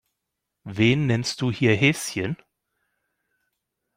Wen nennst du hier Häschen?